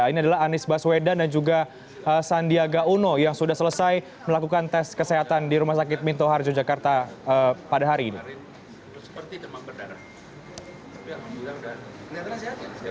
ini adalah anies baswedan dan juga sandiaga uno yang sudah selesai melakukan tes kesehatan di rumah sakit minto harjo jakarta pada hari ini